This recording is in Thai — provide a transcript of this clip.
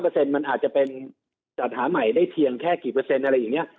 มันอาจจะเป็นจัดหาใหม่ได้เพียงแค่กี่เปอร์เซ็นต์อะไรอย่างนี้